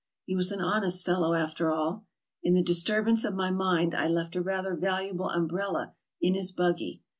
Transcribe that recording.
He was an hon est fellow after all. In the disturbance of my mind I left a rather valuable umbrella in his buggy.